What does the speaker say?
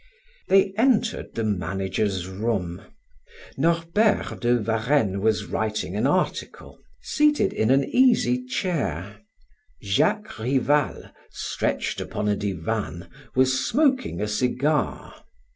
They entered the manager's room. Norbert de Varenne was writing an article, seated in an easychair; Jacques Rival, stretched upon a divan, was smoking a cigar.